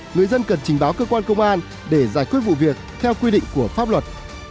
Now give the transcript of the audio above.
người dân cần trình báo cơ quan công an để giải quyết vụ việc theo quy định của pháp luật